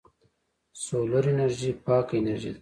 سولر انرژي پاکه انرژي ده.